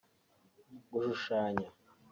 gushushanya